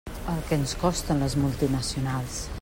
El que ens costen les multinacionals.